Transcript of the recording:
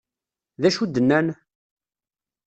D acu d-nnan?